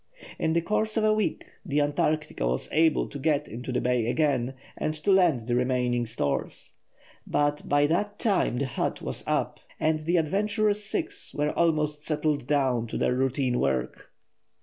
In the course of a week, the Antarctica was able to get into the bay again and to land the remaining stores; but by that time the hut was up and the adventurous six were almost settled down to their routine work.